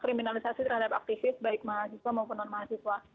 kriminalisasi terhadap aktivis baik mahasiswa maupun non mahasiswa